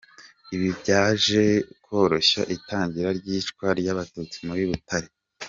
Ibi byaje koroshya itangira ry’iyicwa ry’Abatutsi muri Butare.